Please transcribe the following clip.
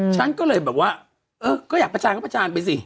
ฉันก็เลยแบบว่าเออก็อยากประจานก็ประจานไปสิ